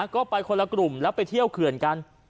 ก็ไปคนละกลุ่มแล้วไปเที่ยวเขื่อนกัน